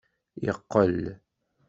Yeqqel.